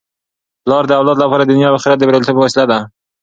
پلار د اولاد لپاره د دنیا او اخرت د بریالیتوب وسیله ده.